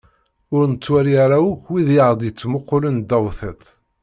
Ur nettwali ara akk wid i aɣ-d-yettmuqulen ddaw tiṭ.